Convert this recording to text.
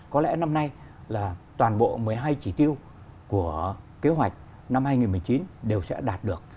có lẽ năm nay là toàn bộ một mươi hai chỉ tiêu của kế hoạch năm hai nghìn một mươi chín đều sẽ đạt được